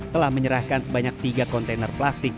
telah menyerahkan sebanyak tiga kontainer plastik